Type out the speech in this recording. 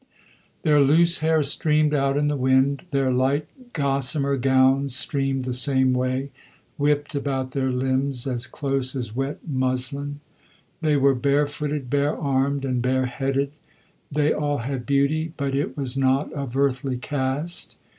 Their loose hair streamed out in the wind, their light gossamer gowns streamed the same way, whipped about their limbs as close as wet muslin. They were bare footed, bare armed, and bare headed. They all had beauty, but it was not of earthly cast.